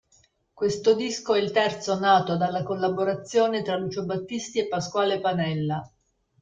Questo disco è il terzo nato dalla collaborazione tra Lucio Battisti e Pasquale Panella.